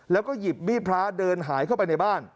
แล้วก็หยิบมีดพระเดินหายเข้าไปในบ้าน